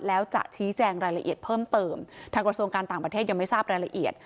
แล้วจะชี้แจงรายละเอียดเพิ่มเติมทางกระทรวงการต่างประเทศยังไม่ทราบรายละเอียด